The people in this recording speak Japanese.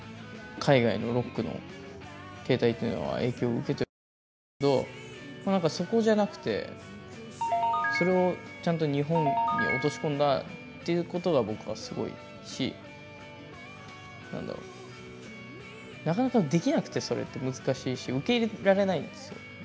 海外のロックの形態っていうのは影響を受けてると思うんですけどなんかそこじゃなくてそれをちゃんと日本に落とし込んだっていうことが僕はすごいし何だろうなかなかできなくてそれって難しいし受け入れられないんですよ。